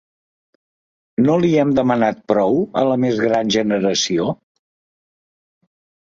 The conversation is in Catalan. No li hem demanat prou, a la més gran generació?